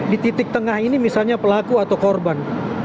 di titik tengah ini misalnya pelaku atau korban